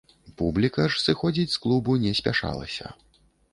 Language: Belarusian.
Публіка ж сыходзіць з клубу не спяшалася.